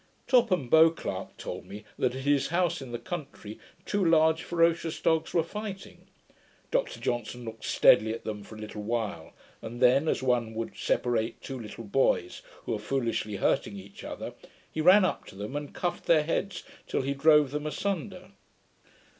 Topham Beauclerk told me, that at his house in the country, two large ferocious dogs were fighting. Dr Johnson looked steadily at them for a little while; and then, as one would separate two little boys, who are foolishly hurting each other, he ran up to them, and cuffed their heads till he drove them asunder.